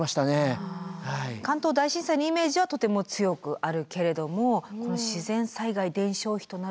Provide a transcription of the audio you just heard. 関東大震災のイメージはとても強くあるけれどもこの自然災害伝承碑となると。